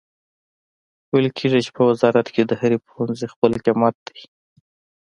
ویل کیږي چې په وزارت کې د هر پوهنځي خپل قیمت دی